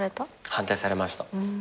反対されました。